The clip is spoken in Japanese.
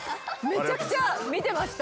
めちゃくちゃ見てました。